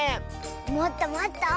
もっともっと。